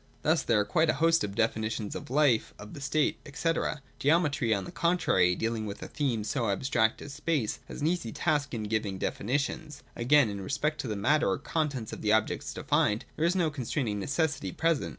Thus there are quite a host of definitions of life, of the state, &c. Geometry, on the con trary, deahng with a theme so abstract as space, has an easy task in giving definitions. Again, in respect of the matter or contents of the objects defined, there is no constraining ne cessity present.